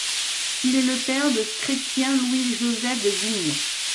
Il est le père de Chrétien-Louis-Joseph de Guignes.